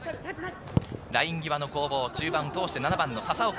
ライン際の攻防、中盤を通して７番・笹岡。